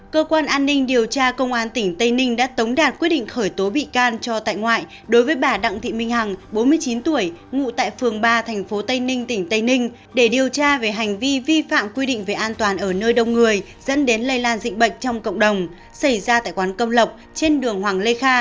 các bạn hãy đăng ký kênh để ủng hộ kênh của chúng mình nhé